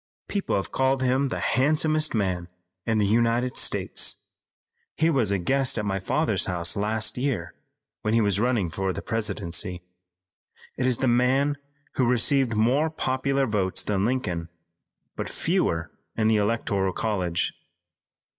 People have called him the handsomest man in the United States. He was a guest at my father's house last year when he was running for the presidency. It is the man who received more popular votes than Lincoln, but fewer in the Electoral College."